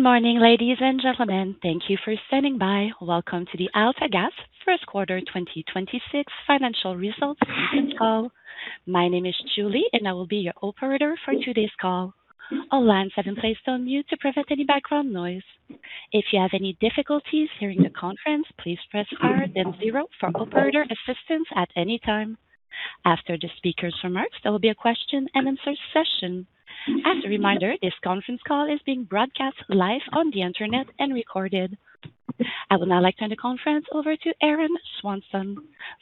Morning, ladies and gentlemen. Thank you for standing by. Welcome to the AltaGas First Quarter 2026 Financial Results Conference Call. My name is Julie, and I will be your operator for today's call. All lines have been placed on mute to prevent any background noise. If you have any difficulties hearing the conference, please press star, then zero for operator assistance at any time. After the speaker's remarks, there will be a question-and-answer session. As a reminder, this conference call is being broadcast live on the Internet and recorded. I would now like to turn the conference over to Aaron Swanson,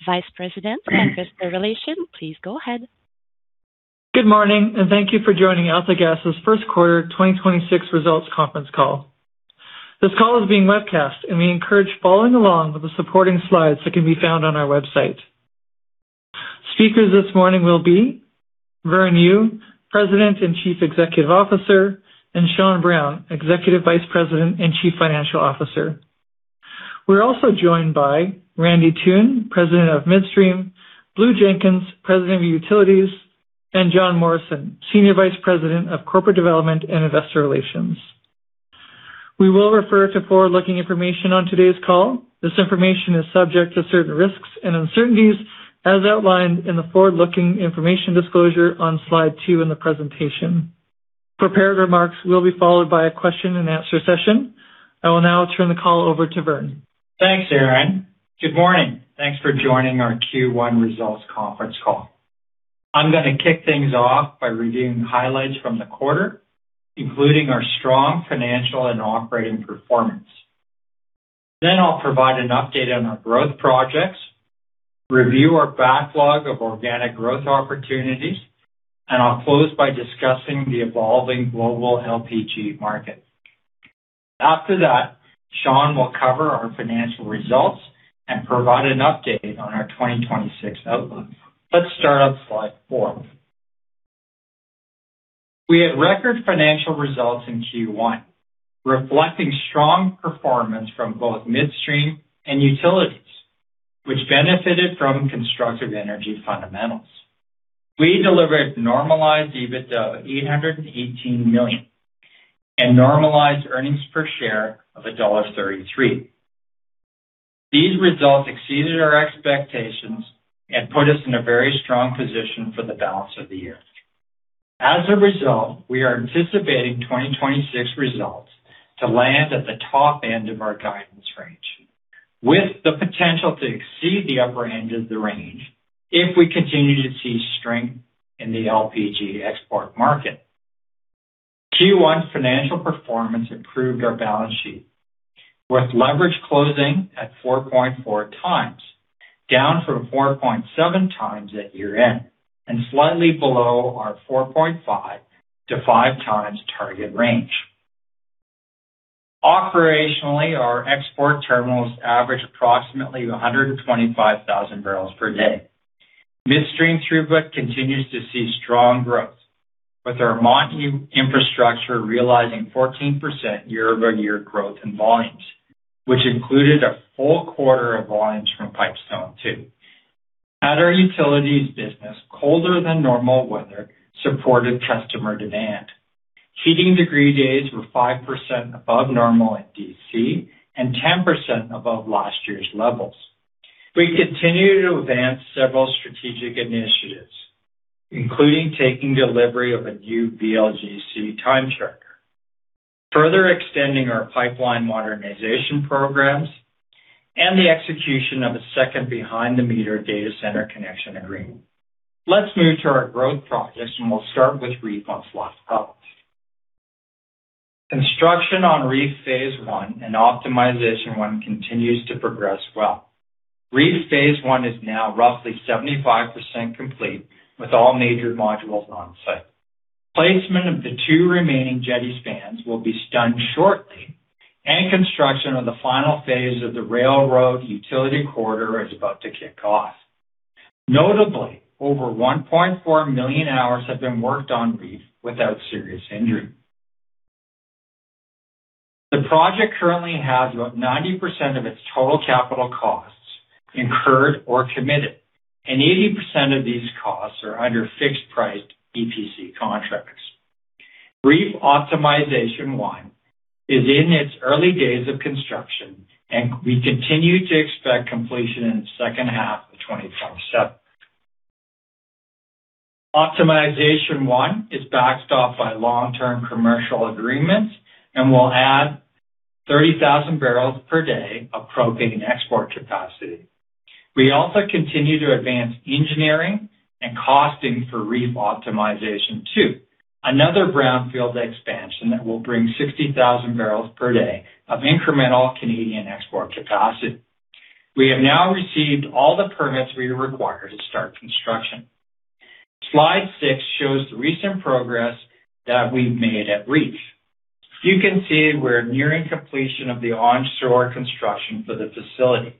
Vice President, Investor Relations. Please go ahead. Good morning, and thank you for joining AltaGas' First Quarter 2026 Results Conference Call. This call is being webcast, and we encourage following along with the supporting slides that can be found on our website. Speakers this morning will be Vern Yu, President and Chief Executive Officer, and Sean Brown, Executive Vice President and Chief Financial Officer. We're also joined by Randy Toone, President of Midstream, Blue Jenkins, President of Utilities, and Jon Morrison, Senior Vice President of Corporate Development and Investor Relations. We will refer to forward-looking information on today's call. This information is subject to certain risks and uncertainties as outlined in the forward-looking information disclosure on slide two in the presentation. Prepared remarks will be followed by a question-and-answer session. I will now turn the call over to Vern. Thanks, Aaron. Good morning. Thanks for joining our Q1 Results Conference Call. I'm gonna kick things off by reviewing highlights from the quarter, including our strong financial and operating performance. I'll provide an update on our growth projects, review our backlog of organic growth opportunities, and I'll close by discussing the evolving global LPG market. After that, Sean will cover our financial results and provide an update on our 2026 outlook. Let's start on slide four. We had record financial results in Q1, reflecting strong performance from both midstream and utilities, which benefited from constructive energy fundamentals. We delivered normalized EBITDA of 818 million and normalized EPS of dollar 1.33. These results exceeded our expectations and put us in a very strong position for the balance of the year. As a result, we are anticipating 2026 results to land at the top end of our guidance range, with the potential to exceed the upper end of the range if we continue to see strength in the LPG export market. Q1's financial performance improved our balance sheet, with leverage closing at 4.4 times, down from 4.7 times at year-end and slightly below our 4.5-5 times target range. Operationally, our export terminals average approximately 125,000 barrels per day. Midstream throughput continues to see strong growth, with our Montney infrastructure realizing 14% year-over-year growth in volumes, which included a full quarter of volumes from Pipestone II. At our utilities business, colder than normal weather supported customer demand. Heating degree days were 5% above normal in D.C. and 10% above last year's levels. We continue to advance several strategic initiatives, including taking delivery of a new VLGC time charter, further extending our pipeline modernization programs, and the execution of a second behind the meter data center connection agreement. Let's move to our growth projects. We'll start with REEF on slide five. Construction on REEF phase I and optimization 1 continues to progress well. REEF phase I is now roughly 75% complete, with all major modules on-site. Placement of the twsix remaining jetty spans will be done shortly. Construction on the final phase of the railroad utility corridor is about to kick off. Notably, over 1.4 million hours have been worked on REEF without serious injury. The project currently has about 90% of its total capital costs incurred or committed. 80% of these costs are under fixed-priced EPC contracts. REEF Optimization 1 is in its early days of construction, and we continue to expect completion in the second half of 2027. Optimization 1 is backed up by long-term commercial agreements and will add 30,000 barrels per day of propane export capacity. We also continue to advance engineering and costing for REEF Optimization 2, another brownfield expansion that will bring 60,000 barrels per day of incremental Canadian export capacity. We have now received all the permits we require to start construction. Slide six shows the recent progress that we've made at REEF. You can see we're nearing completion of the onshore construction for the facility,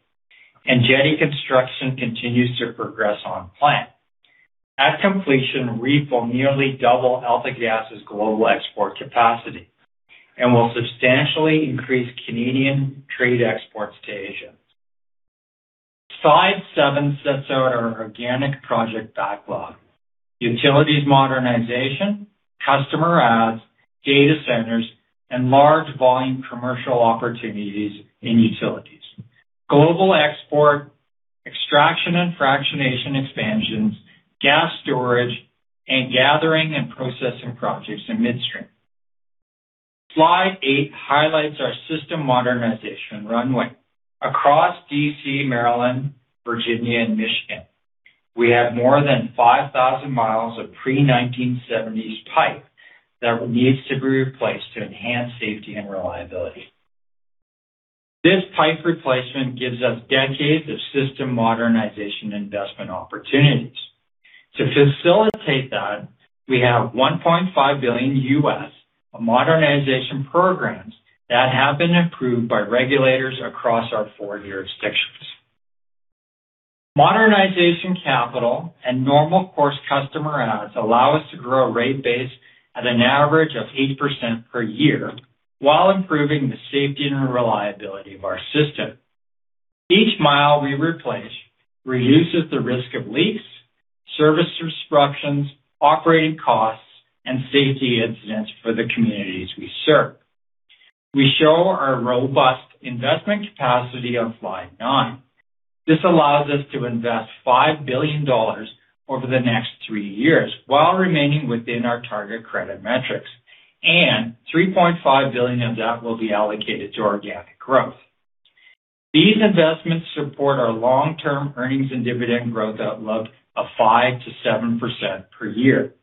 and jetty construction continues to progress on plan. At completion, REEF will nearly double AltaGas' global export capacity and will substantially increase Canadian trade exports to Asia. Slide seven sets out our organic project backlog. Utilities modernization, customer adds, data centers, large volume commercial opportunities in utilities. Global export, extraction and fractionation expansions, gas storage, gathering and processing projects in midstream. Slide eight highlights our system modernization runway. Across D.C., Maryland, Virginia, and Michigan, we have more than 5,000 miles of pre-1970s pipe that needs to be replaced to enhance safety and reliability. This pipe replacement gives us decades of system modernization investment opportunities. To facilitate that, we have $1.5 billion modernization programs that have been approved by regulators across our four jurisdictions. Modernization capital and normal course customer adds allow us to grow rate base at an average of 8% per year while improving the safety and reliability of our system. Each mile we replace reduces the risk of leaks, service disruptions, operating costs, and safety incidents for the communities we serve. We show our robust investment capacity on slide nine. This allows us to invest 5 billion dollars over the next three years while remaining within our target credit metrics. 3.5 billion of that will be allocated to organic growth. These investments support our long-term earnings and dividend growth outlook of 5%-7% per year,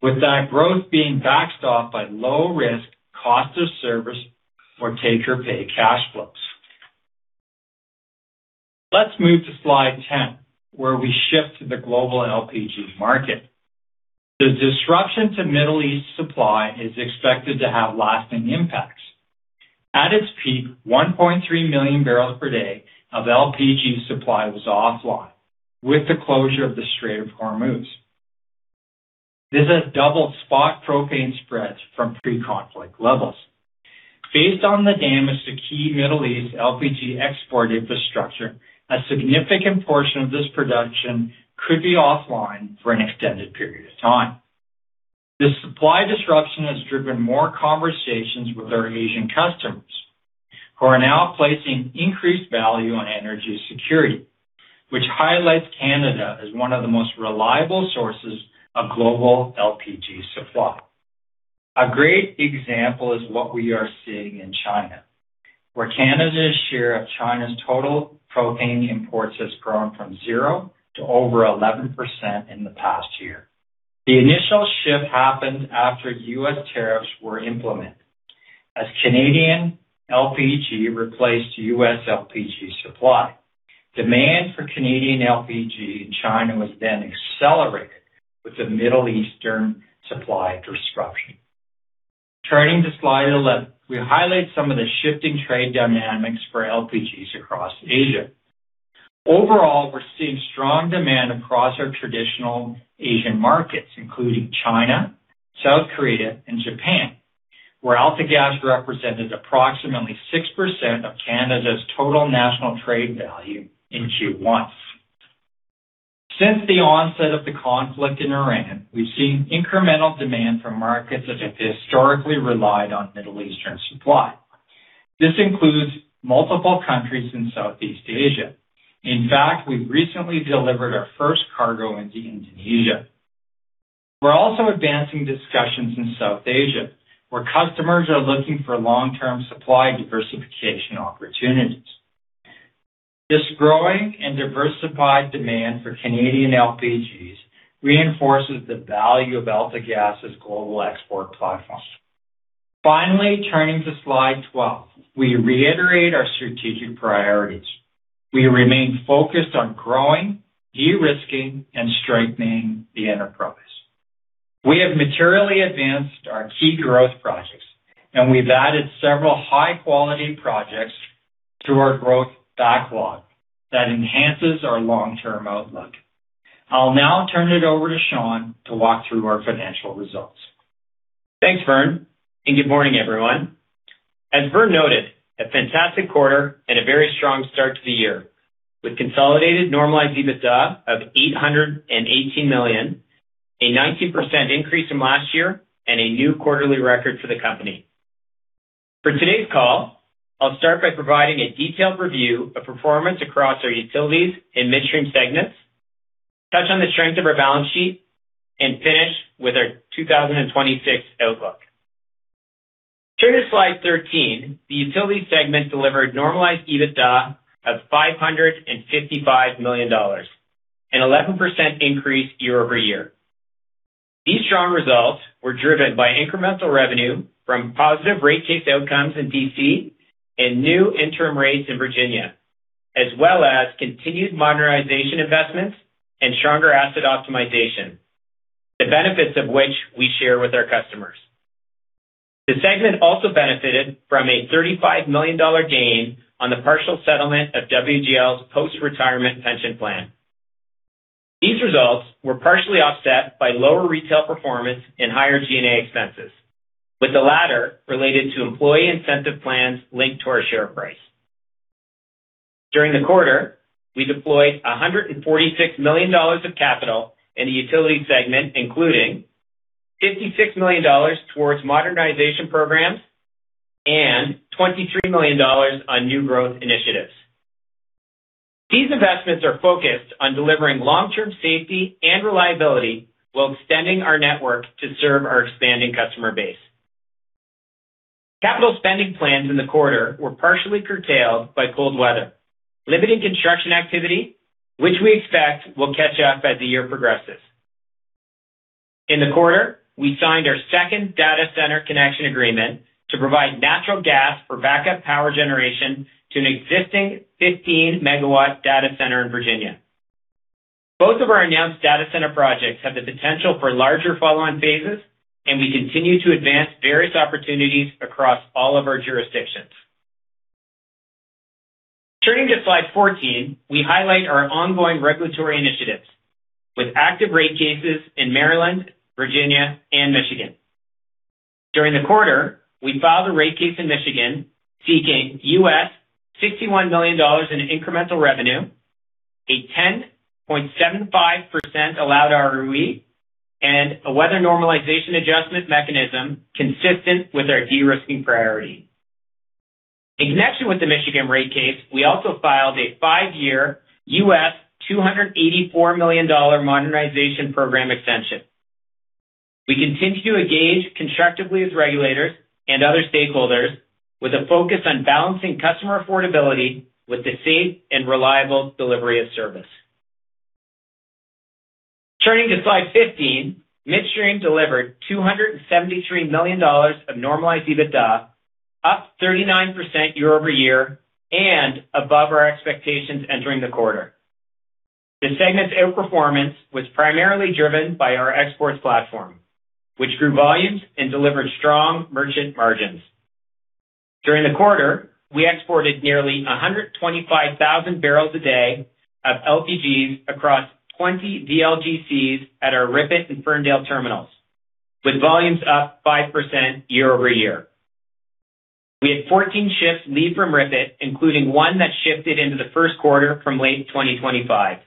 with that growth being backed off by low risk cost of service for take or pay cash flows. Let's move to slide 10, where we shift to the global LPG market. The disruption to Middle East supply is expected to have lasting impacts. At its peak, 1.3 MMbpd of LPG supply was offline with the closure of the Strait of Hormuz. This has double spot propane spreads from pre-conflict levels. Based on the damage to key Middle East LPG export infrastructure, a significant portion of this production could be offline for an extended period of time. This supply disruption has driven more conversations with our Asian customers who are now placing increased value on energy security, which highlights Canada as one of the most reliable sources of global LPG supply. A great example is what we are seeing in China, where Canada's share of China's total propane imports has grown from zero to over 11% in the past year. The initial shift happened after U.S. tariffs were implemented as Canadian LPG replaced U.S. LPG supply. Demand for Canadian LPG in China was then accelerated with the Middle Eastern supply disruption. Turning to slide 11, we highlight some of the shifting trade dynamics for LPGs across Asia. Overall, we're seeing strong demand across our traditional Asian markets, including China, South Korea, and Japan, where AltaGas represented approximately 6% of Canada's total national trade value in Q1. Since the onset of the conflict in Iran, we've seen incremental demand from markets that have historically relied on Middle Eastern supply. This includes multiple countries in Southeast Asia. In fact, we've recently delivered our first cargo into Indonesia. We're also advancing discussions in South Asia, where customers are looking for long-term supply diversification opportunities. This growing and diversified demand for Canadian LPGs reinforces the value of AltaGas's global export platform. Finally, turning to slide 12, we reiterate our strategic priorities. We remain focused on growing, de-risking, and strengthening the enterprise. We have materially advanced our key growth projects, and we've added several high-quality projects to our growth backlog that enhances our long-term outlook. I'll now turn it over to Sean to walk through our financial results. Thanks, Vern. Good morning, everyone. As Vern noted, a fantastic quarter and a very strong start to the year. With consolidated normalized EBITDA of 818 million, a 19% increase from last year and a new quarterly record for the company. For today's call, I'll start by providing a detailed review of performance across our Utilities and Midstream segments, touch on the strength of our balance sheet, and finish with our 2026 outlook. Turning to slide 13, the Utilities segment delivered normalized EBITDA of 555 million dollars, an 11% increase year-over-year. These strong results were driven by incremental revenue from positive rate case outcomes in D.C. and new interim rates in Virginia, as well as continued modernization investments and stronger asset optimization, the benefits of which we share with our customers. The segment also benefited from a 35 million dollar gain on the partial settlement of WGL's post-retirement pension plan. These results were partially offset by lower retail performance and higher G&A expenses, with the latter related to employee incentive plans linked to our share price. During the quarter, we deployed 146 million dollars of capital in the utility segment, including 56 million dollars towards modernization programs and 23 million dollars on new growth initiatives. These investments are focused on delivering long-term safety and reliability while extending our network to serve our expanding customer base. Capital spending plans in the quarter were partially curtailed by cold weather, limiting construction activity, which we expect will catch up as the year progresses. In the quarter, we signed our second data center connection agreement to provide natural gas for backup power generation to an existing 15 MW data center in Virginia. Both of our announced data center projects have the potential for larger follow-on phases, and we continue to advance various opportunities across all of our jurisdictions. Turning to slide 14, we highlight our ongoing regulatory initiatives with active rate cases in Maryland, Virginia, and Michigan. During the quarter, we filed a rate case in Michigan seeking $61 million in incremental revenue, a 10.75% allowed ROE, and a weather normalization adjustment mechanism consistent with our de-risking priority. In connection with the Michigan rate case, we also filed a five-year $284 million modernization program extension. We continue to engage constructively with regulators and other stakeholders with a focus on balancing customer affordability with the safe and reliable delivery of service. Turning to slide 15, Midstream delivered 273 million dollars of normalized EBITDA, up 39% year-over-year and above our expectations entering the quarter. The segment's outperformance was primarily driven by our exports platform, which grew volumes and delivered strong merchant margins. During the quarter, we exported nearly 125,000 barrels a day of LPGs across 20 VLGCs at our RIPET and Ferndale terminals, with volumes up 5% year-over-year. We had 14 ships leave from RIPET, including one that shifted into the first quarter from late 2025.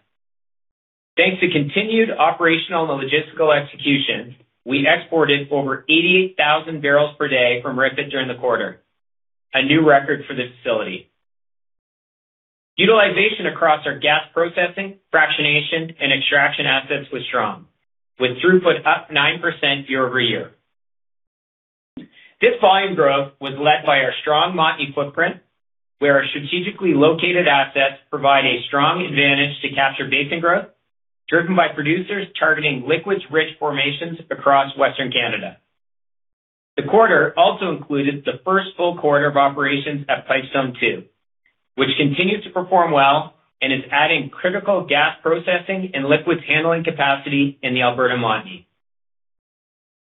Thanks to continued operational and logistical execution, we exported over 88,000 barrels per day from RIPET during the quarter, a new record for this facility. Utilization across our gas processing, fractionation, and extraction assets was strong, with throughput up 9% year-over-year. This volume growth was led by our strong Montney footprint, where our strategically located assets provide a strong advantage to capture basin growth, driven by producers targeting liquids-rich formations across Western Canada. The quarter also included the first full quarter of operations at Pipestone II, which continues to perform well and is adding critical gas processing and liquids handling capacity in the Alberta Montney.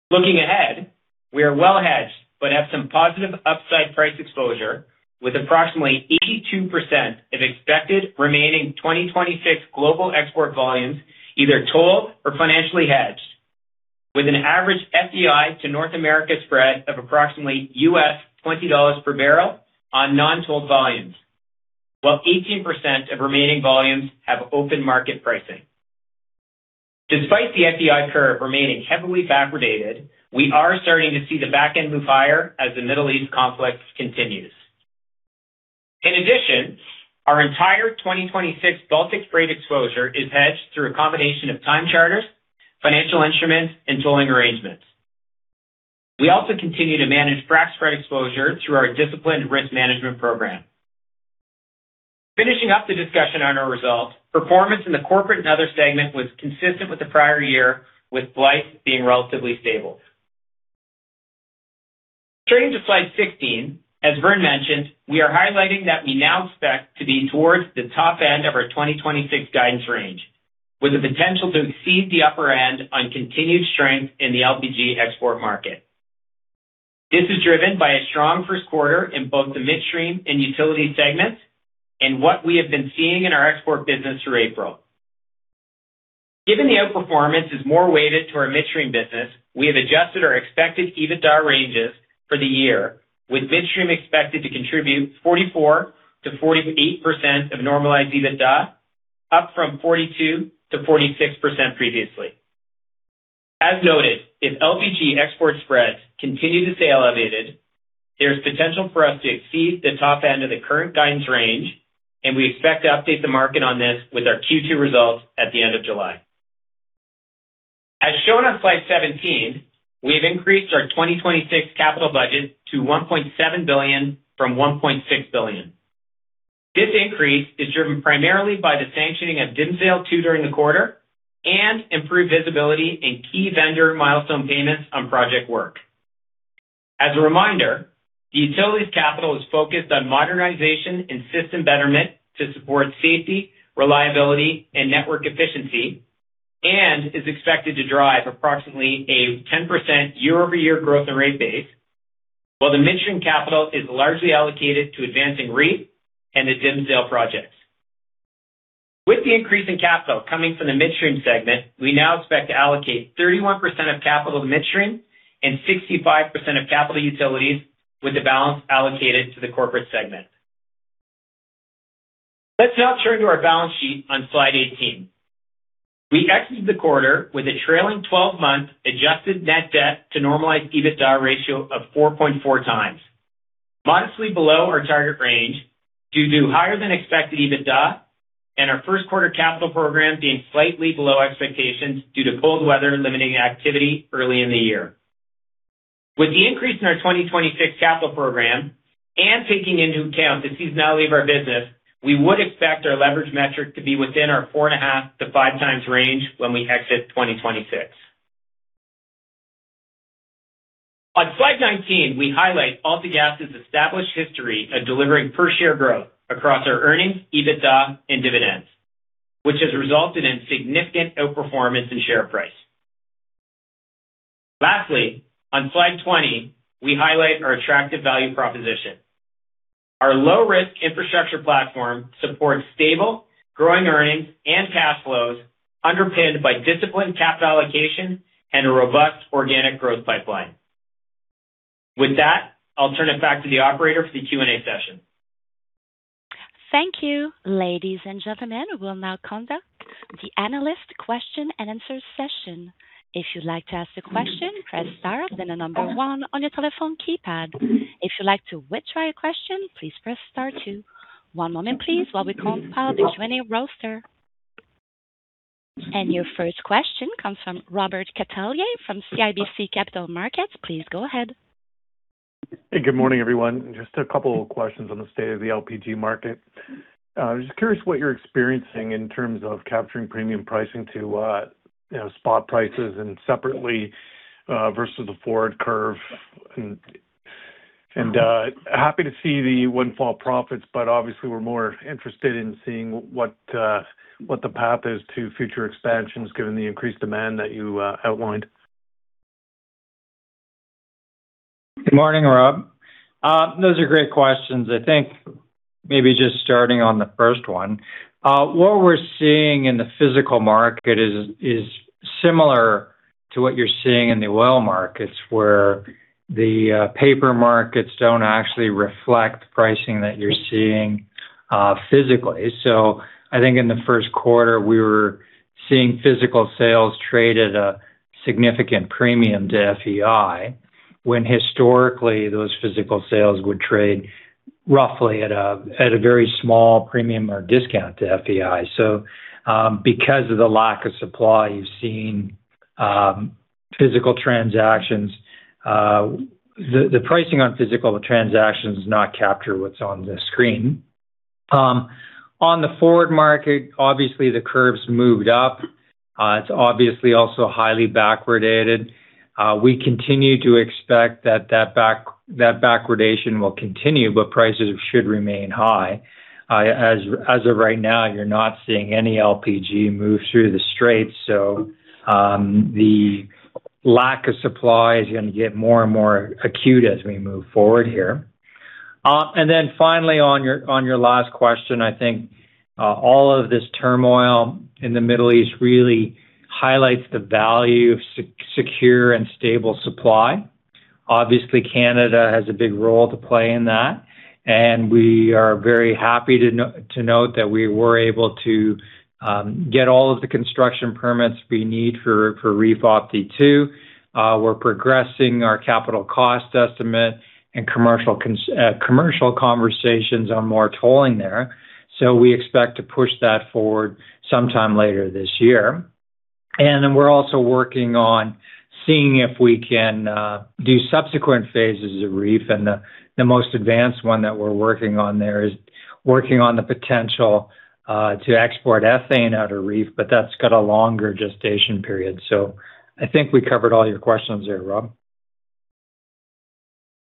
Looking ahead, we are well hedged but have some positive upside price exposure with approximately 82% of expected remaining 2026 global export volumes either tolled or financially hedged with an average FEI to North America spread of approximately US $20 per barrel on non-tolled volumes, while 18% of remaining volumes have open market pricing. Despite the FEI curve remaining heavily backwardated, we are starting to see the back end move higher as the Middle East conflict continues. In addition, our entire 2026 Baltic trade exposure is hedged through a combination of time charters, financial instruments, and tolling arrangements. We also continue to manage frac spread exposure through our disciplined risk management program. Finishing up the discussion on our results, performance in the corporate and other segment was consistent with the prior year, with Blythe being relatively stable. Turning to slide 16, as Vern mentioned, we are highlighting that we now expect to be towards the top end of our 2026 guidance range, with the potential to exceed the upper end on continued strength in the LPG export market. This is driven by a strong first quarter in both the Midstream and Utilities segments and what we have been seeing in our export business through April. Given the outperformance is more weighted to our Midstream business, we have adjusted our expected EBITDA ranges for the year, with Midstream expected to contribute 44%-48% of normalized EBITDA, up from 42%-46% previously. As noted, if LPG export spreads continue to stay elevated, there's potential for us to exceed the top end of the current guidance range, and we expect to update the market on this with our Q2 results at the end of July. As shown on slide 17, we've increased our 2026 capital budget to 1.7 billion from 1.6 billion. This increase is driven primarily by the sanctioning of Dimsdale Phase II during the quarter and improved visibility in key vendor milestone payments on project work. As a reminder, the utilities capital is focused on modernization and system betterment to support safety, reliability, and network efficiency, and is expected to drive approximately a 10% year-over-year growth in rate base. The midstream capital is largely allocated to advancing REEF and the Dimsdale projects. With the increase in capital coming from the midstream segment, we now expect to allocate 31% of capital to midstream and 65% of capital utilities with the balance allocated to the corporate segment. Let's now turn to our balance sheet on slide 18. We exited the quarter with a trailing 12-month adjusted net debt to normalized EBITDA ratio of 4.4 times. Modestly below our target range due to higher than expected EBITDA and our first quarter capital program being slightly below expectations due to cold weather limiting activity early in the year. With the increase in our 2026 capital program and taking into account the seasonality of our business, we would expect our leverage metric to be within our 4.5-5x range when we exit 2026. On slide 19, we highlight AltaGas's established history of delivering per share growth across our earnings, EBITDA, and dividends, which has resulted in significant outperformance in share price. Lastly, on slide 20, we highlight our attractive value proposition. Our low-risk infrastructure platform supports stable, growing earnings and cash flows underpinned by disciplined capital allocation and a robust organic growth pipeline. With that, I'll turn it back to the operator for the Q&A session. Thank you. Ladies and gentlemen, we'll now conduct the analyst question-and-answer session. If you'd like to ask a question, press star, then the number one on your telephone keypad. If you'd like to withdraw your question, please press star two. One moment, please, while we compile the joining roster. Your first question comes from Robert Catellier from CIBC Capital Markets. Please go ahead. Hey, good morning, everyone. Just a couple of questions on the state of the LPG market. I was just curious what you're experiencing in terms of capturing premium pricing to, you know, spot prices and separately, versus the forward curve. Happy to see the windfall profits, but obviously we're more interested in seeing what the path is to future expansions given the increased demand that you outlined. Good morning, Rob. Those are great questions. I think maybe just starting on the first one. What we're seeing in the physical market is similar to what you're seeing in the oil markets, where the paper markets don't actually reflect pricing that you're seeing physically. I think in the first quarter, we were seeing physical sales trade at a significant premium to FEI, when historically those physical sales would trade roughly at a very small premium or discount to FEI. Because of the lack of supply, you're seeing physical transactions. The pricing on physical transactions does not capture what's on the screen. On the forward market, obviously the curves moved up. It's obviously also highly backwardated. We continue to expect that backwardation will continue, but prices should remain high. As of right now, you're not seeing any LPG move through the straits. The lack of supply is gonna get more and more acute as we move forward here. Finally on your last question, I think, all of this turmoil in the Middle East really highlights the value of secure and stable supply. Obviously, Canada has a big role to play in that, and we are very happy to note that we were able to get all of the construction permits we need for REEF. We're progressing our capital cost estimate and commercial conversations are more tolling there. We expect to push that forward sometime later this year. We're also working on seeing if we can do subsequent phases of REEF. The most advanced one that we're working on there is working on the potential to export ethane out of REEF. That's got a longer gestation period. I think we covered all your questions there, Rob.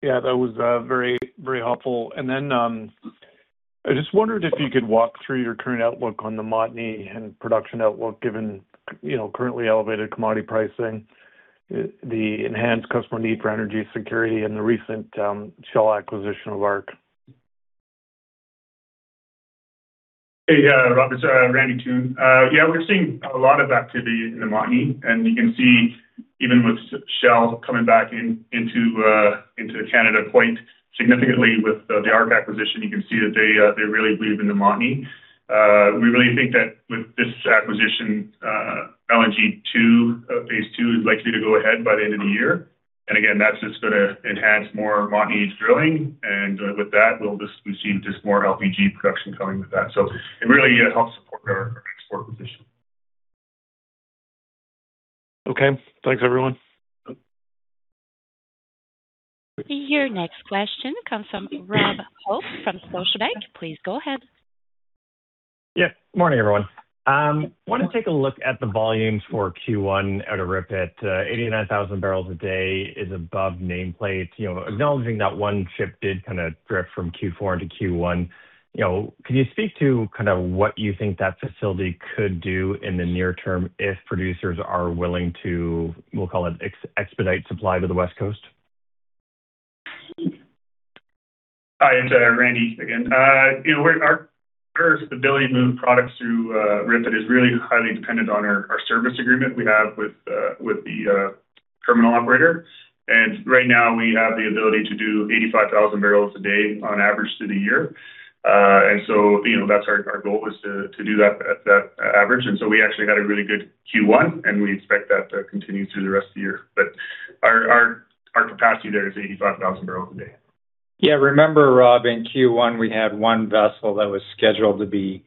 Yeah, that was very, very helpful. I just wondered if you could walk through your current outlook on the Montney and production outlook given you know, currently elevated commodity pricing, the enhanced customer need for energy security and the recent Shell acquisition of ARC. Hey, Rob, it's Randy Toone. Yeah, we're seeing a lot of activity in the Montney, and you can see even with Shell coming back in, into Canada quite significantly with the ARC acquisition. You can see that they really believe in the Montney. We really think that with this acquisition, LNG 2, phase II is likely to go ahead by the end of the year. Again, that's just gonna enhance more Montney's drilling. With that, we'll just receive just more LPG production coming with that. It really helps support our export position. Okay. Thanks, everyone. Your next question comes from Robert Hope from Scotiabank. Please go ahead. Yeah. Morning, everyone. Wanted to take a look at the volumes for Q1 at RIPET. 89,000 barrels a day is above nameplate. You know, acknowledging that one ship did kinda drift from Q4 into Q1. You know, can you speak to kind of what you think that facility could do in the near term if producers are willing to, we'll call it expedite supply to the West Coast? Hi, it's Randy again. You know, our ability to move products through RIPET is really highly dependent on our service agreement we have with the terminal operator. Right now we have the ability to do 85,000 barrels a day on average through the year. You know, that's our goal is to do that at that average. We actually had a really good Q1, and we expect that to continue through the rest of the year. Our capacity there is 85,000 barrels a day. Yeah. Remember, Rob, in Q1 we had one vessel that was scheduled to be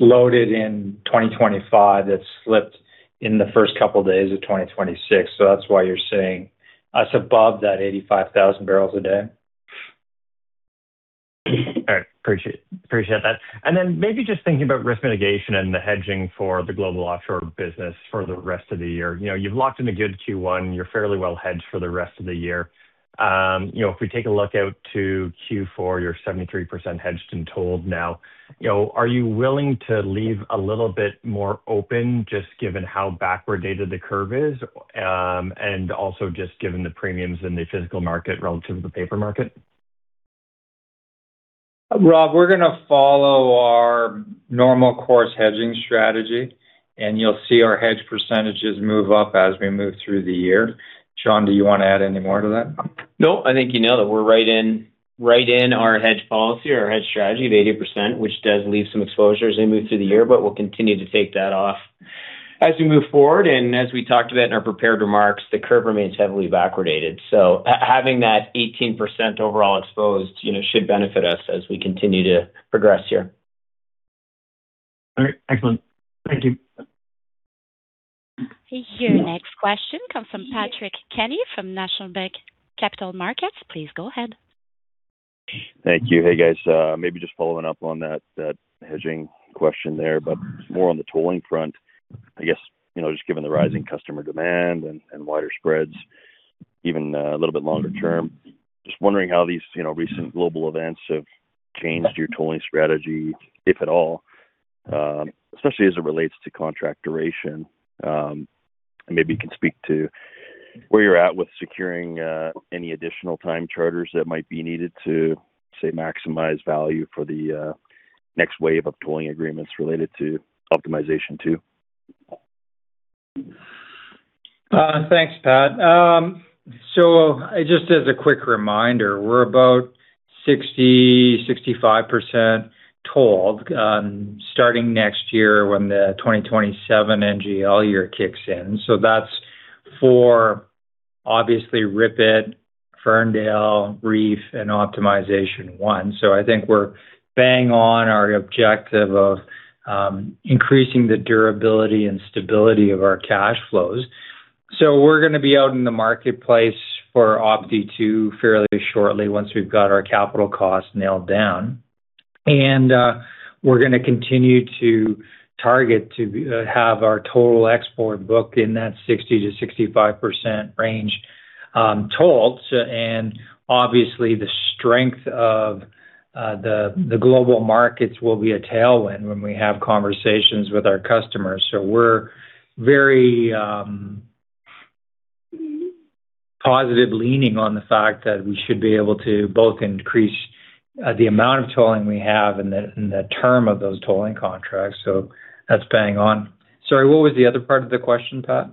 loaded in 2025 that slipped in the first couple days of 2026. That's why you're seeing us above that 85,000 barrels a day. All right. Appreciate that. Maybe just thinking about risk mitigation and the hedging for the global offshore business for the rest of the year. You know, you've locked in a good Q1, you're fairly well hedged for the rest of the year. You know, if we take a look out to Q4, you're 73% hedged and told now. You know, are you willing to leave a little bit more open just given how backward dated the curve is, and also just given the premiums in the physical market relative to the paper market? Rob, we're going to follow our normal course hedging strategy. You'll see our hedge % move up as we move through the year. Sean, do you want to add any more to that? No, I think you nailed it. We're right in, right in our hedge policy, our hedge strategy of 80%, which does leave some exposure as we move through the year, but we'll continue to take that off as we move forward. As we talked about in our prepared remarks, the curve remains heavily backwardated. Having that 18% overall exposed, you know, should benefit us as we continue to progress here. All right. Excellent. Thank you. Your next question comes from Patrick Kenny from National Bank Capital Markets. Please go ahead. Thank you. Hey, guys. maybe just following up on that hedging question there, but more on the tolling front. I guess, you know, just given the rising customer demand and wider spreads even, a little bit longer term, just wondering how these, you know, recent global events have changed your tolling strategy, if at all, especially as it relates to contract duration. maybe you can speak to where you're at with securing any additional time charters that might be needed to, say, maximize value for the next wave of tolling agreements related to REEF. Thanks, Pat. Just as a quick reminder, we're about 60%, 65% tolled, starting next year when the 2027 NGL year kicks in. That's for obviously RIPET, Ferndale, REEF, and Optimization 1. I think we're bang on our objective of increasing the durability and stability of our cash flows. We're gonna be out in the marketplace for Opti 2 fairly shortly once we've got our capital costs nailed down. We're gonna continue to target to have our total export book in that 60%-65% range tolled. Obviously the strength of the global markets will be a tailwind when we have conversations with our customers. We're very positive leaning on the fact that we should be able to both increase the amount of tolling we have and the term of those tolling contracts. That's bang on. Sorry, what was the other part of the question, Pat?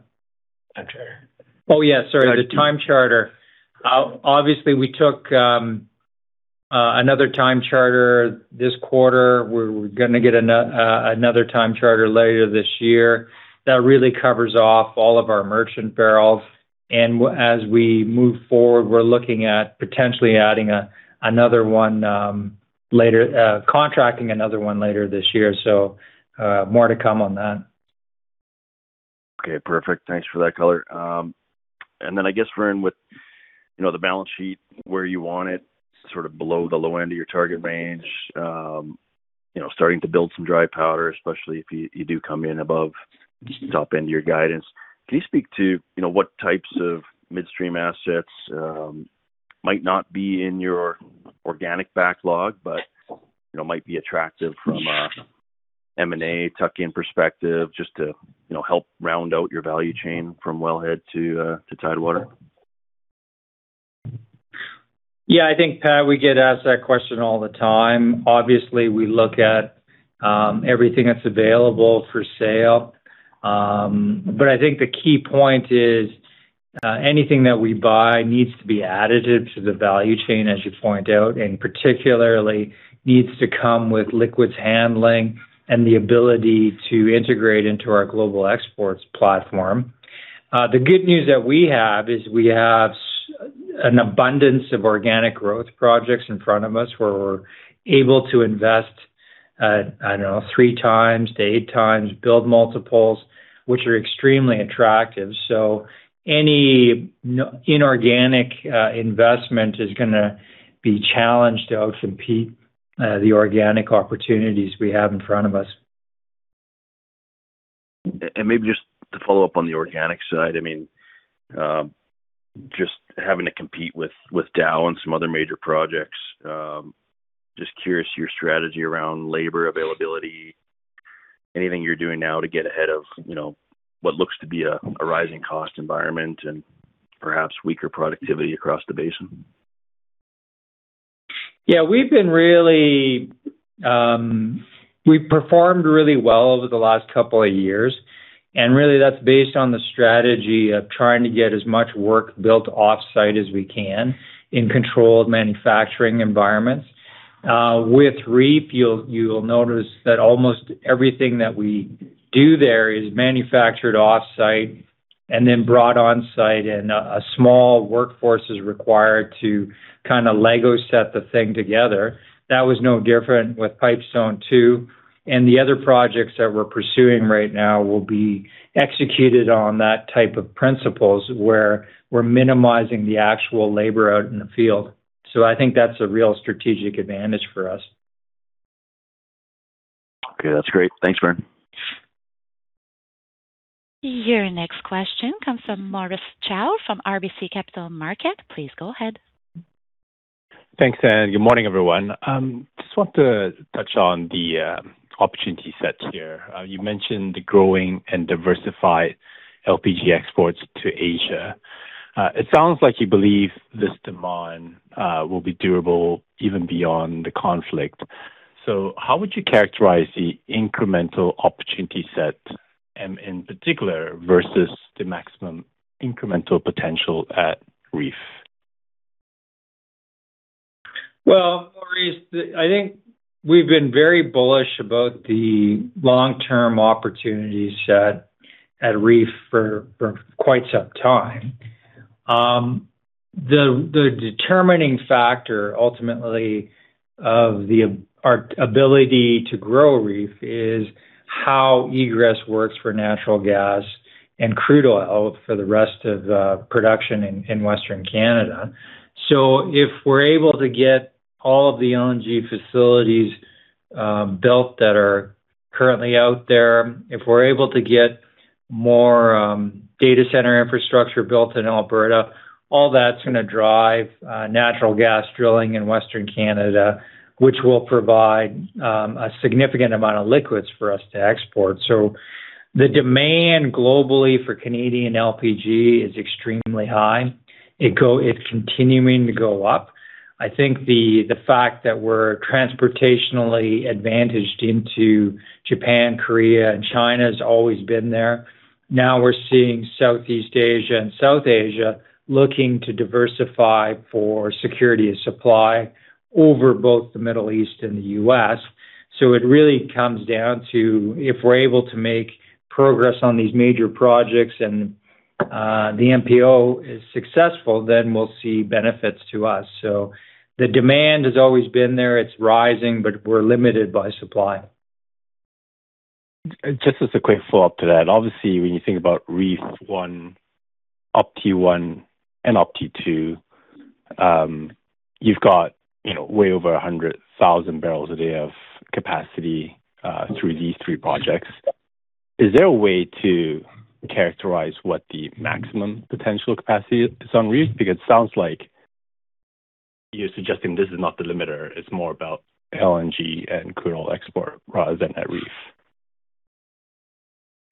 Time charter. Oh, yeah. Sorry. The time charter. Obviously we took another time charter this quarter. We're gonna get another time charter later this year. That really covers off all of our merchant barrels. As we move forward, we're looking at potentially adding another one, contracting another one later this year. More to come on that. Okay. Perfect. Thanks for that color. I guess, Vern, with, you know, the balance sheet where you want it, sort of below the low end of your target range, you know, starting to build some dry powder, especially if you do come in above the top end of your guidance. Can you speak to, you know, what types of midstream assets, might not be in your organic backlog, but, you know, might be attractive from a M&A tuck-in perspective just to, you know, help round out your value chain from wellhead to tidewater? Yeah. I think, Pat, we get asked that question all the time. Obviously, we look at everything that's available for sale. I think the key point is anything that we buy needs to be additive to the value chain, as you point out, and particularly needs to come with liquids handling and the ability to integrate into our global exports platform. The good news that we have is we have an abundance of organic growth projects in front of us where we're able to invest, I don't know, three times to eight times build multiples, which are extremely attractive. Any inorganic investment is gonna be challenged to outcompete the organic opportunities we have in front of us. Maybe just to follow up on the organic side, I mean, just having to compete with Dow and some other major projects, just curious your strategy around labor availability, anything you're doing now to get ahead of, you know, what looks to be a rising cost environment and perhaps weaker productivity across the basin? Yeah. We've performed really well over the last couple of years, and really that's based on the strategy of trying to get as much work built off-site as we can in controlled manufacturing environments. With REEF, you'll notice that almost everything that we do there is manufactured off-site and then brought on-site, and a small workforce is required to kind of Lego set the thing together. That was no different with Pipestone II, and the other projects that we're pursuing right now will be executed on that type of principles, where we're minimizing the actual labor out in the field. I think that's a real strategic advantage for us. Okay. That's great. Thanks, Vern. Your next question comes from Maurice Choy from RBC Capital Markets. Please go ahead. Thanks, and good morning, everyone. Just want to touch on the opportunity set here. You mentioned the growing and diversified LPG exports to Asia. It sounds like you believe this demand will be durable even beyond the conflict. How would you characterize the incremental opportunity set in particular versus the maximum incremental potential at REEF? Well, Maurice, I think we've been very bullish about the long-term opportunity set at REEF for quite some time. The determining factor ultimately of our ability to grow REEF is how egress works for natural gas and crude oil for the rest of production in Western Canada. If we're able to get all of the LNG facilities built that are currently out there, if we're able to get more data center infrastructure built in Alberta, all that's gonna drive natural gas drilling in Western Canada, which will provide a significant amount of liquids for us to export. The demand globally for Canadian LPG is extremely high. It's continuing to go up. I think the fact that we're transportationally advantaged into Japan, Korea, and China has always been there. We're seeing Southeast Asia and South Asia looking to diversify for security of supply over both the Middle East and the U.S. It really comes down to if we're able to make progress on these major projects and the MPO is successful, we'll see benefits to us. The demand has always been there. It's rising, but we're limited by supply. As a quick follow-up to that. Obviously, when you think about REEF 1, REEF 1, and REEF 2, you've got, you know, way over 100,000 barrels a day of capacity through these three projects. Is there a way to characterize what the maximum potential capacity is on REEF? It sounds like you're suggesting this is not the limiter, it's more about LNG and crude oil export rather than at REEF.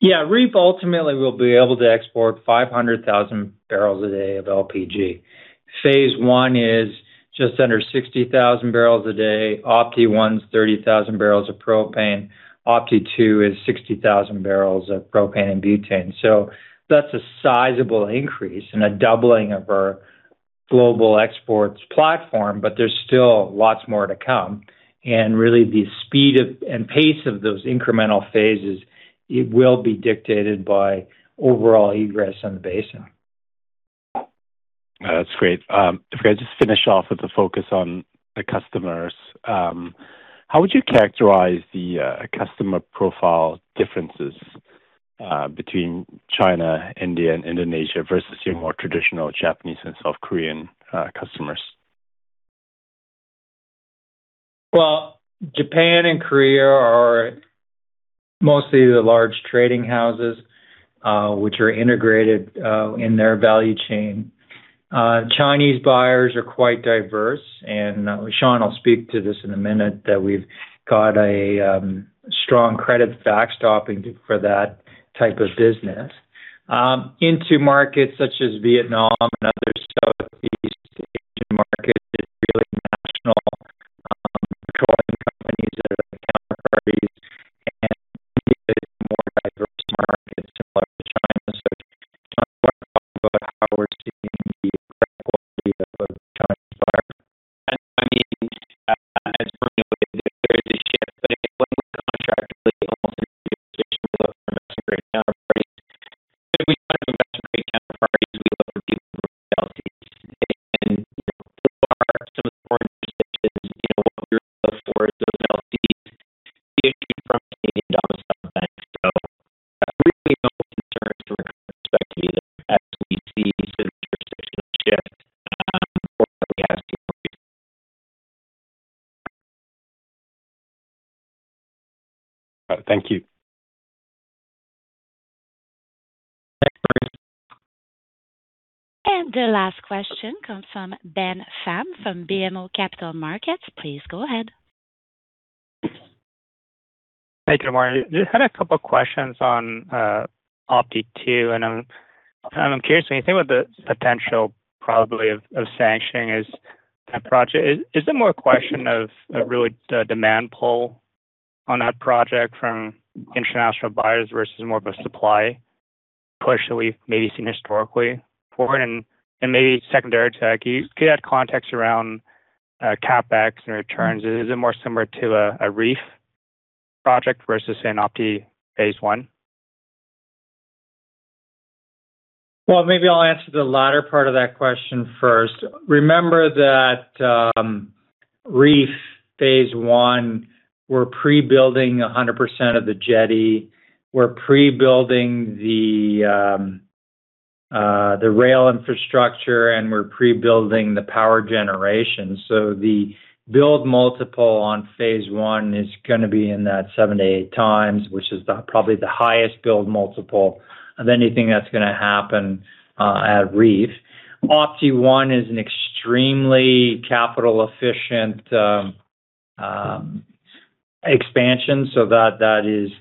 Yeah. REEF ultimately will be able to export 500,000 barrels a day of LPG. Phase I is just under 60,000 barrels a day. Opti 1 is 30,000 barrels of propane. Opti 2 is 60,000 barrels of propane and butane. That's a sizable increase and a doubling of our global exports platform. There's still lots more to come. Really the speed of and pace of those incremental phases, it will be dictated by overall egress on the basin. That's great. If I just finish off with the focus on the customers, how would you characterize the customer profile differences between China, India, and Indonesia versus your more traditional Japanese and South Korean customers? Japan and Korea are mostly the large trading houses, which are integrated in their value chain. Chinese buyers are quite diverse, and Sean will speak to this in a minute, that we've got a strong credit backstopping for that type of business. Into markets such as Vietnam and other Southeast Asian markets, it's really national, controlling companies that are the counterparties and more diverse markets to larger China. Sean can talk about how we're seeing the credit quality of those Chinese buyers. I mean, there's certainly ways that there is a shift, but I think contractually almost every jurisdiction we look for investment grade counterparties. When we talk about investment grade counterparties, we look at people with LCs. You know, there are some foreign jurisdictions, you know, where we look for those LCs issued from a Canadian domiciled bank. Really no concerns from our current perspective either. As we see certain jurisdictions shift, we're asking for. All right. Thank you. The last question comes from Ben Pham from BMO Capital Markets. Please go ahead. Hey, good morning. Just had a couple questions on Opti II. I'm curious when you think about the potential probably of sanctioning, is it more a question of really the demand pull on that project from international buyers versus more of a supply push that we've maybe seen historically for it? Maybe secondary to that, can you add context around CapEx and returns? Is it more similar to a REEF project versus an Opti Phase I? Well, maybe I'll answer the latter part of that question first. Remember that, REEF Phase I, we're pre-building 100% of the jetty. We're pre-building the rail infrastructure, and we're pre-building the power generation. The build multiple on Phase I is gonna be in that 7-8x, which is the, probably the highest build multiple of anything that's gonna happen at REEF. Opti 1 is an extremely capital efficient expansion, so that is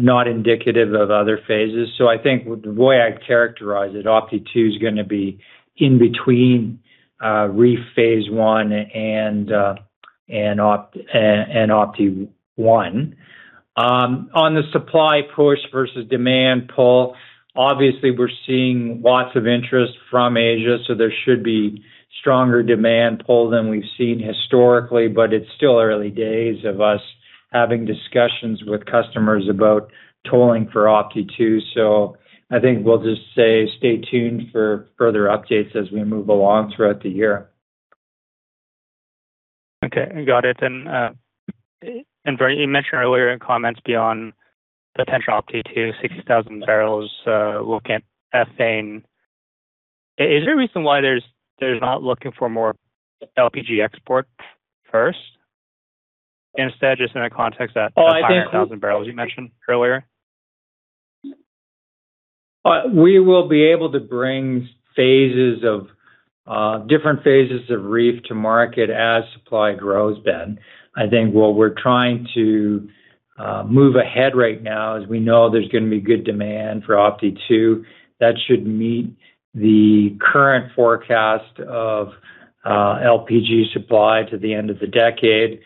not indicative of other phases. I think the way I'd characterize it, Opti 2 is gonna be in between REEF Phase I and Opti 1. On the supply push versus demand pull, obviously we're seeing lots of interest from Asia, so there should be stronger demand pull than we've seen historically. It's still early days of us having discussions with customers about tolling for REEF. I think we'll just say stay tuned for further updates as we move along throughout the year. Okay, got it. Vern, you mentioned earlier in comments beyond potential REEF, 60,000 barrels, looking at ethane. Is there a reason why there's not looking for more LPG export first instead, just in the context that- I think. 500,000 barrels you mentioned earlier? We will be able to bring phases of different phases of REEF to market as supply grows, Ben. I think what we're trying to move ahead right now is we know there's gonna be good demand for Opti 2 that should meet the current forecast of LPG supply to the end of the decade.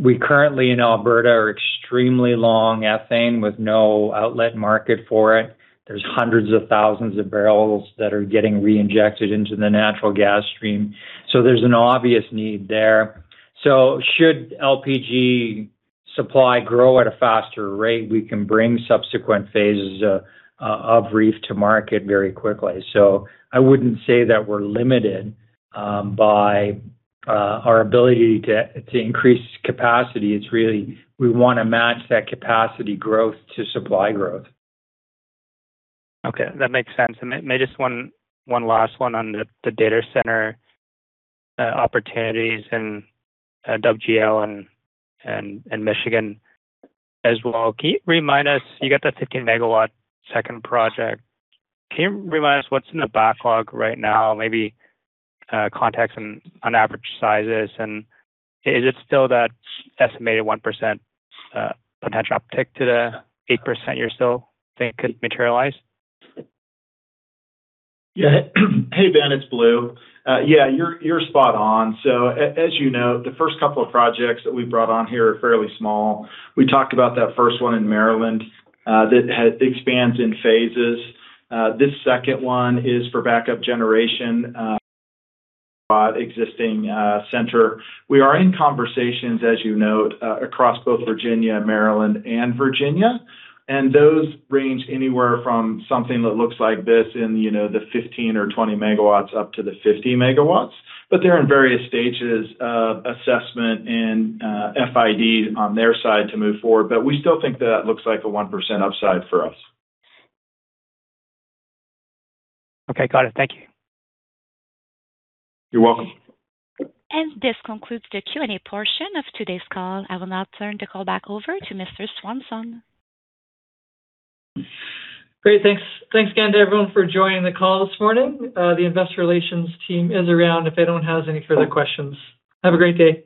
We currently in Alberta are extremely long ethane with no outlet market for it. There's hundreds of thousands of barrels that are getting reinjected into the natural gas stream. There's an obvious need there. Should LPG supply grow at a faster rate, we can bring subsequent phases of REEF to market very quickly. I wouldn't say that we're limited by our ability to increase capacity. It's really we wanna match that capacity growth to supply growth. Okay, that makes sense. Maybe just one last one on the data center opportunities in WGL and Michigan as well. Can you remind us, you got the 15 MW second project. Can you remind us what's in the backlog right now? Maybe context on average sizes and is it still that estimated 1% potential uptick to the 8% you're still thinking could materialize? Hey, Ben, it's Blue. You're spot on. As you know, the first couple of projects that we brought on here are fairly small. We talked about that first one in Maryland that expands in phases. This second one is for backup generation, existing center. We are in conversations, as you note, across both Virginia, Maryland, and Virginia. Those range anywhere from something that looks like this in, you know, the 15 or 20 MW up to the 50 MW. They're in various stages of assessment and FID on their side to move forward. We still think that looks like a 1% upside for us. Okay. Got it. Thank you. You're welcome. This concludes the Q&A portion of today's call. I will now turn the call back over to Mr. Swanson. Great. Thanks again to everyone for joining the call this morning. The Investor Relations team is around if anyone has any further questions. Have a great day.